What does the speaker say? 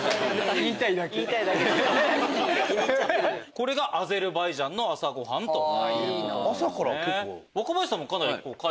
これがアゼルバイジャンの朝ごはんということですね。